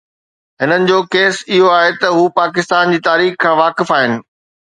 هنن جو ڪيس اهو آهي ته هو پاڪستان جي تاريخ کان واقف آهن.